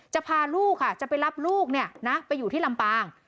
จะพาลูกค่ะจะไปรับลูกเนี่ยนะไปอยู่ที่ลำปาง